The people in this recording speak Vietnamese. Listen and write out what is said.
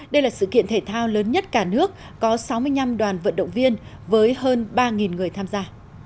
đây là sự kiện thể thao lớn nhất cả nước có sáu mươi năm đoàn vận động viên với hơn ba người tham gia